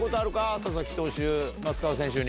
佐々木投手松川選手に。